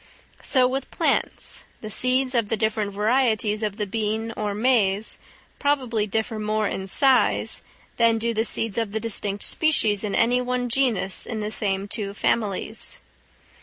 So with plants, the seeds of the different varieties of the bean or maize probably differ more in size than do the seeds of the distinct species in any one genus in the same two families.